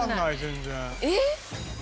えっ？